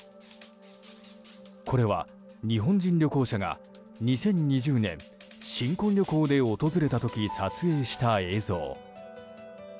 これは日本人旅行者が２０２０年新婚旅行で訪れた時撮影した映像。